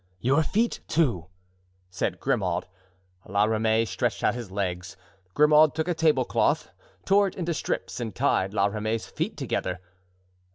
"Your feet, too," said Grimaud. La Ramee stretched out his legs, Grimaud took a table cloth, tore it into strips and tied La Ramee's feet together.